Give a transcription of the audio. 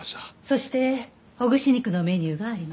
そしてほぐし肉のメニューがあります。